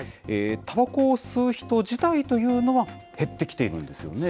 たばこを吸う人自体というのは減ってきているんですよね。